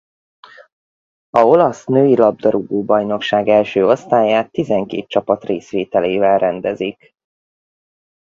A olasz női labdarúgó-bajnokság első osztályát tizenkét csapat részvételével rendezik.